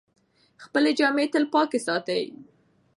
خپلې جامې تل پاکې ساتئ.